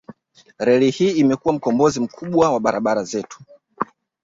Reli hii imekuwa mkombozi mkubwa wa barabara zetu